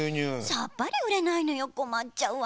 さっぱりうれないのよこまっちゃうわ。